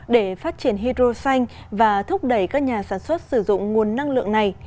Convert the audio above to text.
để phát triển hydro xanh và thúc đẩy các nhà sản xuất sử dụng nguồn năng lượng này